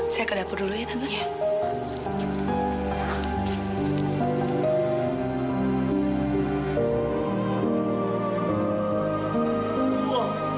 saya ke dapur dulu ya tante